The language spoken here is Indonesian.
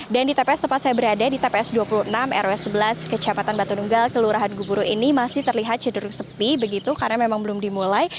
dan di tps tempat saya berada di tps dua puluh enam rw sebelas kecamatan batu nunggal kelurahan gumeruh ini masih terlihat cenderung sepi karena memang belum dimulai